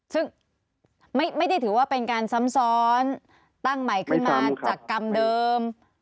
ซึ่งไม่ได้ถือว่าเป็นการซ้ำซ้อนตั้งใหม่ขึ้นมาจากกรรมเดิม